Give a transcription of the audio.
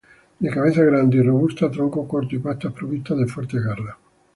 De cabeza grande y robusta, tronco corto y patas provistas de fuertes garras.